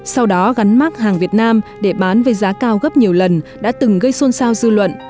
sau đó gắn mát hàng việt nam để bán với giá cao gấp nhiều lần đã từng gây xôn xao dư luận